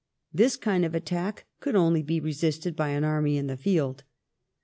This kind of attack could only be resisted by an army in the field.